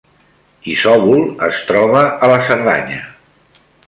Isòvol es troba a la Cerdanya